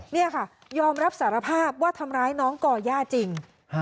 นี่ค่ะยอมรับสารภาพว่าทำร้ายน้องก่อย่าจริง